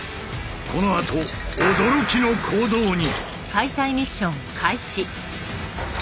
このあと驚きの行動に！